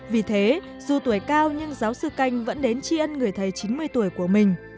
vì thế dù tuổi cao nhưng giáo sư canh vẫn đến tri ân người thầy chín mươi tuổi của mình